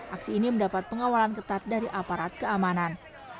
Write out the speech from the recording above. aksi ini mendapat pengawalan ketat dari aparat keamanan